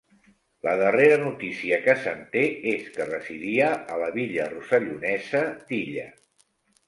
La darrera notícia que se'n té és que residia a la vila rossellonesa d'Illa.